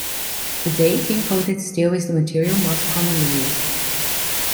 Today, tin-coated steel is the material most commonly used.